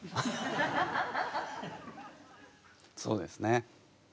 そうですね。